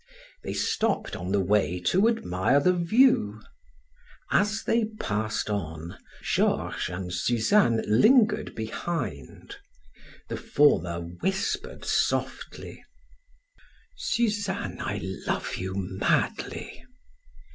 They stopped on the way to admire the view; as they passed on, Georges and Suzanne lingered behind. The former whispered softly: "Suzanne, I love you madly."